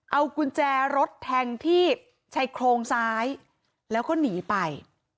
เอากุญแจรถแทงที่ชายโครงซ้ายแล้วก็หนีไป